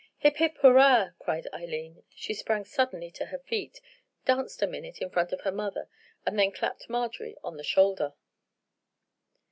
"Hip! hip! hurrah!" cried Eileen. She sprang suddenly to her feet, danced a minute in front of her mother, and then clapped Marjorie on the shoulder.